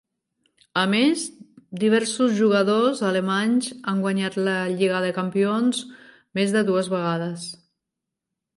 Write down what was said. A més, diversos jugadors alemanys han guanyat la Lliga de Campions més de dues vegades.